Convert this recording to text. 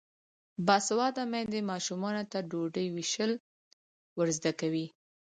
باسواده میندې ماشومانو ته ډوډۍ ویشل ور زده کوي.